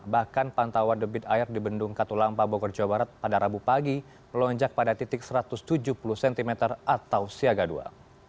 bahkan pantauan debit air di bendung katulampa bogor jawa barat pada rabu pagi melonjak pada titik satu ratus tujuh puluh cm atau siaga dua